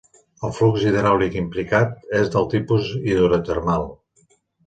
El flux hidràulic implicat és del tipus hidrotermal.